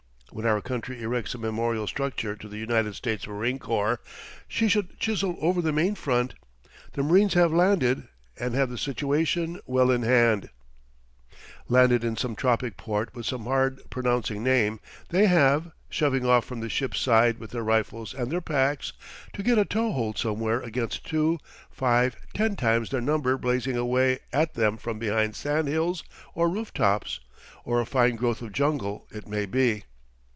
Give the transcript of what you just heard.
When our country erects a memorial structure to the United States Marine Corps, she should chisel over the main front: The Marines Have Landed and Have the Situation Well in Hand Landed in some tropic port with some hard pronouncing name, they have, shoving off from the ship's side with their rifles and their packs, to get a toe hold somewhere against two, five, ten times their number blazing away at them from behind sand hills, or roof tops, or a fine growth of jungle, it may be.